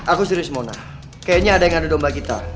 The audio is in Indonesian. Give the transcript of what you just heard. aku serius mona kayaknya ada yang ada domba kita